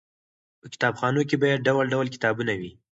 په کتابخانو کې باید ډول ډول کتابونه وي.